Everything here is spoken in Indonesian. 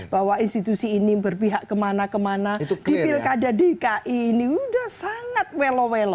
bahwa institusi ini berpihak kemana kemana di pilkada dki ini sudah sangat welo welo